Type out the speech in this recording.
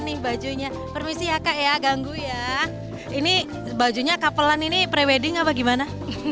ini bajunya permisi ya kak ya ganggu ya ini bajunya kak pelan ini prewedding apa gimana